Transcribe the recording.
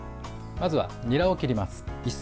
まずは、にらを切ります。